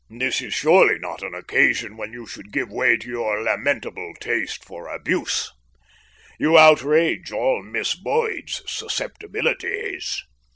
This is surely not an occasion when you should give way to your lamentable taste for abuse. You outrage all Miss Boyd's susceptibilities."